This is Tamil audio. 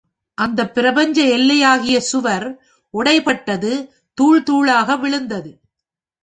அந்தப் பிரபஞ்ச எல்லையாகிய சுவர் உடைபட்டது தூள்தூளாக விழுந்தது.